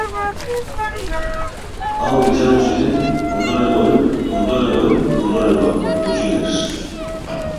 Hauek izango ziren ondorengoen ondorengoen ondorengoak, gutxienez.